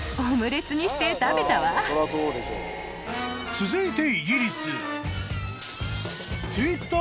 ［続いて］